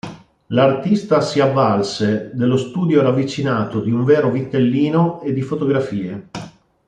L'artista si avvalse dello studio ravvicinato di un vero vitellino e di fotografie.